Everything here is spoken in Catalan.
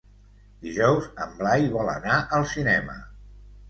Dijous en Blai vol anar al cinema.